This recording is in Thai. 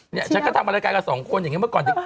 เนี่ยฉันก็ทำรายการกับสองคนอย่างนี้เมื่อก่อนนี้